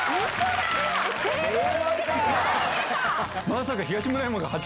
まさか東村山が。